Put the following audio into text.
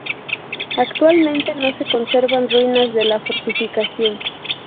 Actualmente no se conservan ruinas de la fortificación.